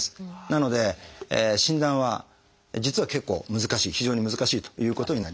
なので診断は実は結構難しい非常に難しいということになります。